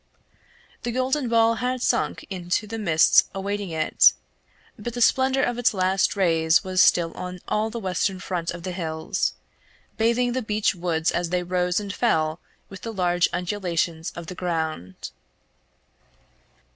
The golden ball had sunk into the mists awaiting it, but the splendour of its last rays was still on all the western front of the hills, bathing the beech woods as they rose and fell with the large undulations of the ground.